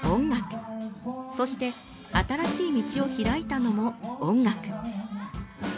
そして新しい道を開いたのも音楽。